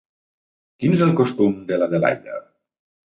Quin és el costum de l'Adelaida?